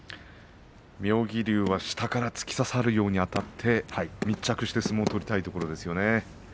妙義龍は下から突き刺さるようにあたって密着して相撲を取りたいところですよね。